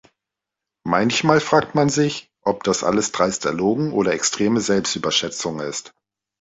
Manchmal fragt man sich, ob das alles dreist erlogen oder extreme Selbstüberschätzung ist.